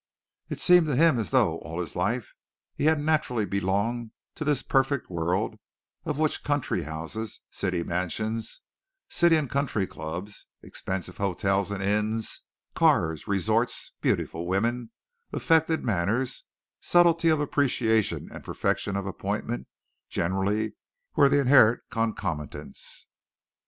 It seemed to him as though all his life he had naturally belonged to this perfect world of which country houses, city mansions, city and country clubs, expensive hotels and inns, cars, resorts, beautiful women, affected manners, subtlety of appreciation and perfection of appointment generally were the inherent concomitants.